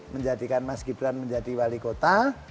menjadikan mas gibran menjadi wali kota